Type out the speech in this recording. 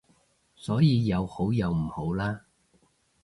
所以有好有唔好啦